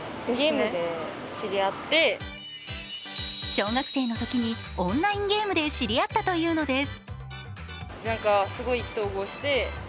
小学生の時にオンラインゲームで知り合ったというのです。